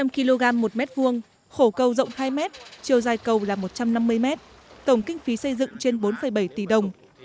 hai trăm linh kg một mét vuông khổ cầu rộng hai mét chiều dài cầu là một trăm năm mươi mét tổng kinh phí xây dựng trên bốn bảy tỷ đồng